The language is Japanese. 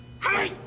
はい！